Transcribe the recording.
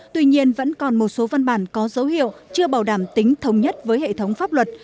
tuy nhiên vẫn còn một số văn bản có dấu hiệu chưa bảo đảm tính thống nhất với hệ thống pháp luật